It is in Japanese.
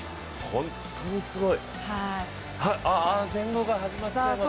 本当にすごい。